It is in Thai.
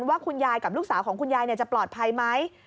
ว่าคุณยายกับลูกสาวของคุณยายจะปลอดภัยไหม